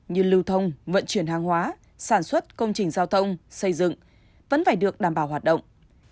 như lưu thông vận chuyển hàng hóa sản xuất công trình giao thông xây dựng vẫn phải được đảm bảo hoạt động